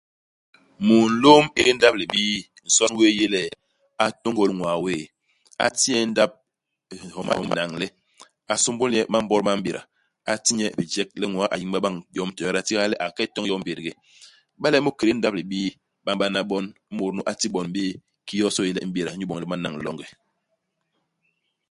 Mulôm ikédé ndap-libii, nson wéé u yé le, a tôngôl ñwaa wéé, a ti nye ndap, homa linañle, a sômbôl nye imambot ma m'béda, a ti nye bijek le ñwaa a yiñba bañ to yom to yada itiga le a ke itoñ yo i mbégdé. Iba le mu i kédé ndap-libii, ba m'bana bon, imut nu a ti bon béé kii yosô i yé le i m'béda inyu iboñ le ba nañ longe.